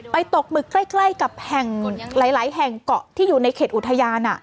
ตกหมึกใกล้กับแห่งหลายแห่งเกาะที่อยู่ในเขตอุทยาน